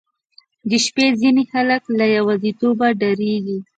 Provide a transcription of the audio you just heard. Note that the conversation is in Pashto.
• د شپې ځینې خلک له یوازیتوبه ډاریږي.